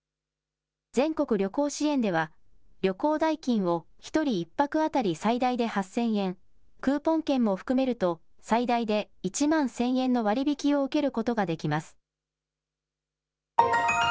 全国旅行支援では旅行代金を１人１泊当たり最大で８０００円、クーポン券も含めると最大で１万１０００円の割り引きを受けることができます。